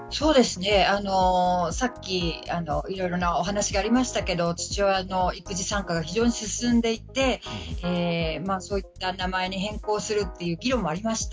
さっき、いろいろなお話がありましたけど父親の育児参加が非常に進んでいてそういった名前に変更するという議論もありました。